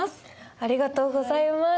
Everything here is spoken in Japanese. ありがとうございます。